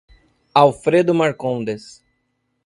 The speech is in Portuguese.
Alfredo Marcondes